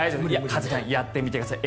一茂さんやってみてください。